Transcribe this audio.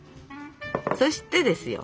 そしてですよ